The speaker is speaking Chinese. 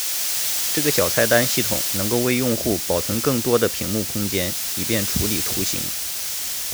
这个小菜单系统能够为用户保存更多的屏幕空间以便处理图形。